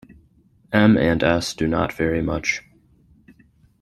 M and S do not vary much.